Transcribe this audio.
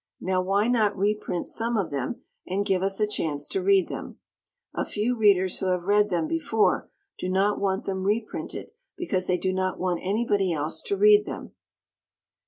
Now, why not reprint some of them and give us a chance to read them? A few Readers who have read them before do not want them reprinted because they do not want anybody else to read them.